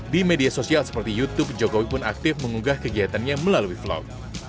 di media sosial seperti youtube jokowi pun aktif mengunggah kegiatannya melalui vlog